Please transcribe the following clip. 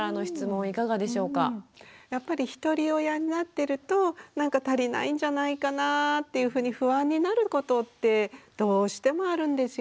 やっぱりひとり親になってるとなんか足りないんじゃないかなぁっていうふうに不安になることってどうしてもあるんですよね。